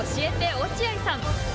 落合さん。